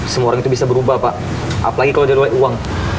semua orang itu bisa berubah pak apalagi kalau dia namanya uang